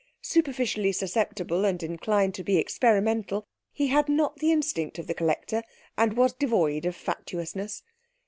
Superficially susceptible and inclined to be experimental he had not the instinct of the collector and was devoid of fatuousness.